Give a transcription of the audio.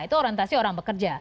itu orientasi orang bekerja